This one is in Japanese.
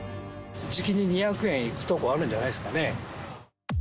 じきに２００円いくとこあるんじゃないですかね。